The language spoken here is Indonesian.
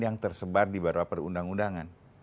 yang tersebar di beberapa perundang undangan